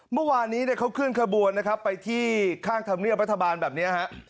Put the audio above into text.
เมื่อวานนี้เขาเคลื่อนขบวนนะครับไปที่ข้างธรรมเนียบรัฐบาลแบบนี้ฮะ